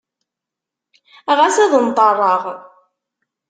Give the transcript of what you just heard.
Ɣas ad nṭerreɣ.